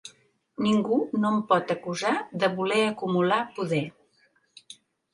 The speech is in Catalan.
Ningú no em pot acusar de voler acumular poder.